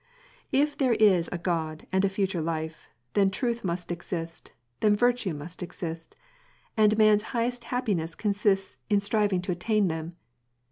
" If there is a God and a future life, then truth must exist, then virtue must exist ; and man's highest happiness consists in striving to attain them.